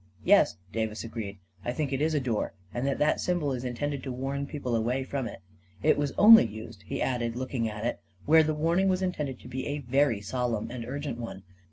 " Yes," Davis agreed, " I think it is a door ; and that that symbol is intended to warn people away from it. It was only used," he added, looking at it, " where the warning was intended to be a very sol emn and urgent one.